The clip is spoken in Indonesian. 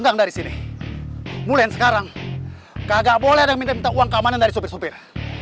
gang dari sini mulai sekarang kagak boleh ada yang minta minta uang keamanan dari sopir sopir